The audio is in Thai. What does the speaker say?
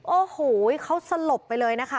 โอ้โหเขาสลบไปเลยนะคะ